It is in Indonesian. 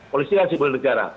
polisi kan simbol negara